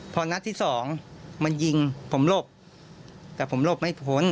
พอนัดที่สองมันยิงผมหลบแต่ผมหลบไม่พ้น